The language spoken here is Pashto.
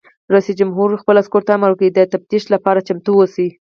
رئیس جمهور خپلو عسکرو ته امر وکړ؛ د تفتیش لپاره چمتو اوسئ!